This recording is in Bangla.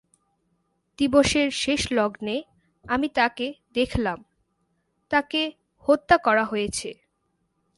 দিবসের শেষ লগ্নে আমি তাকে দেখলাম, তাকে হত্যা করা হয়েছে।